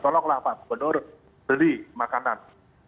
tolonglah pak benar benar beli makanan